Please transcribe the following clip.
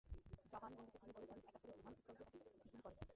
জবানবন্দিতে তিনি বলেছেন, একাত্তরে সুবহান পিস্তল দিয়ে তাঁকে দুটি গুলি করে।